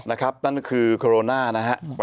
นะครับนั้นคือโคโรน่านะฮะ